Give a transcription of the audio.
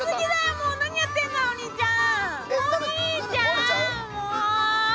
もうお兄ちゃん！